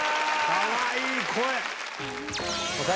かわいい声。